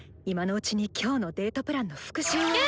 今のうちに今日のデートプランの復習を！